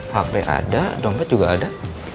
hp ada dompet juga ada